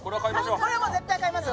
これもう絶対買います